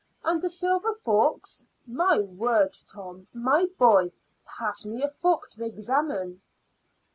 And the silver forks. My word! Tom, my boy, pass me a fork to examine."